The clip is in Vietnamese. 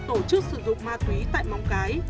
tổ chức sử dụng ma túy tại móng cái